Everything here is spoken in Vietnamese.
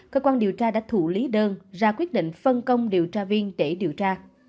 cơ quan điều tra đã thủ lý đơn ra quyết định phân công điều tra viên để điều tra